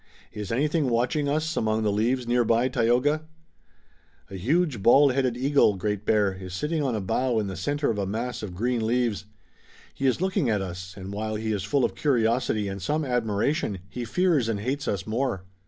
Is anything watching us among the leaves near by, Tayoga?" "A huge bald headed eagle, Great Bear, is sitting on a bough in the center of a mass of green leaves. He is looking at us, and while he is full of curiosity and some admiration he fears and hates us more."